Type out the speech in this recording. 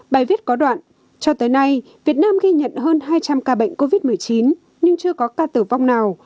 bài viết có đoạn cho tới nay việt nam ghi nhận hơn hai trăm linh ca bệnh covid một mươi chín nhưng chưa có ca tử vong nào